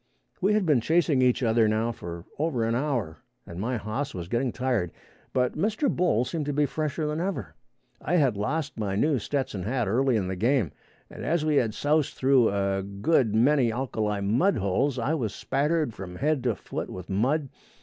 We had been chasing each other now for over an hour and my hoss was getting tired, but Mr. Bull seemed to be fresher than ever. I had lost my new Stetson hat early in the game, and, as we had soused through a good many alkali mud holes, I was spattered from head to foot with mud.